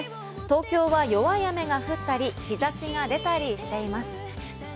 東京は弱い雨が降ったり日差しが出たりしています。